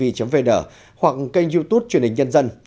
www nh vn hoặc kênh youtube truyền hình nhân dân